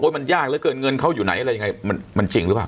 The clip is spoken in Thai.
โอ้ยมันยากแล้วเกินเงินเขาอยู่ไหนอะไรอย่างเงี้ยมันมันจริงหรือเปล่า